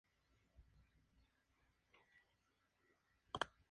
Cuando las hermanas regresan, se sorprenden al encontrar el cuerpo de Sophia sin vida.